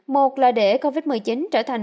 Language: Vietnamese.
một là để covid một mươi chín trở thành bất kỳ vật